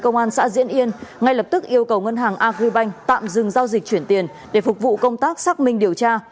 công an xã diễn yên ngay lập tức yêu cầu ngân hàng agribank tạm dừng giao dịch chuyển tiền để phục vụ công tác xác minh điều tra